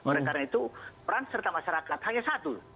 oleh karena itu peran serta masyarakat hanya satu